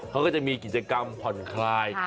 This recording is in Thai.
เขาก็จะมีกิจกรรมผ่อนคลาย